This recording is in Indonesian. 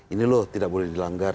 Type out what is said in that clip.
ini loh tidak boleh dilanggar